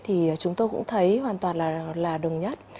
thì chúng tôi cũng thấy hoàn toàn là đồng nhất